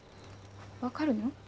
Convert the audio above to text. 分かるの？